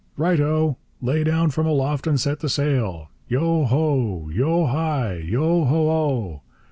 'Right oh! Lay down from aloft and set the sail!' Yo ho, yo hai, yo ho oh!